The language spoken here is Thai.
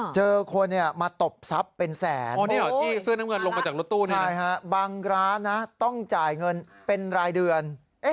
เจอคนเนี่ยมาตบสับเป็นแสน